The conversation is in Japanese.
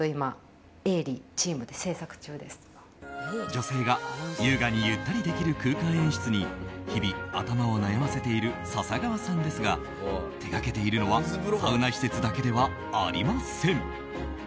女性が優雅にゆったりできる空間演出に日々、頭を悩ませている笹川さんですが手掛けているのはサウナ施設だけではありません。